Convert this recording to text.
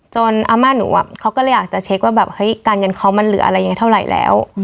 จนอาม่าหนูเขาก็เลยอาจจะเช็คว่าการเงินเขามันเหลืออะไรเท่าไหร่แล้ว